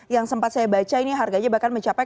yang sempat saya baca ini harganya bahkan mencapai